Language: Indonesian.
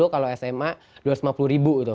kalau sma dua ratus lima puluh ribu